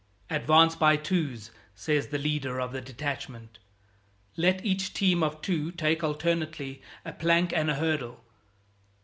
"Advance by twos," says the leader of the detachment. "Let each team of two take alternately a plank and a hurdle."